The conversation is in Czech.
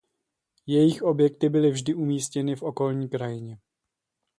Jejich objekty byly vždy umístěny v okolní krajině.